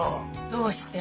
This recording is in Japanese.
どうして？